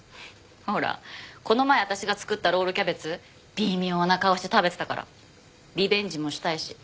ほらこの前私が作ったロールキャベツ微妙な顔して食べてたからリベンジもしたいし。